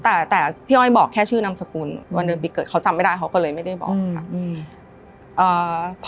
แต่แต่พี่อ้อยบอกแค่ชื่อนามสกุลวันเดือนปีเกิดเขาจำไม่ได้เขาก็เลยไม่ได้บอกค่ะ